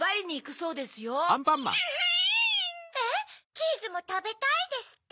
「チーズもたべたい」ですって？